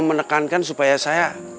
menekankan supaya saya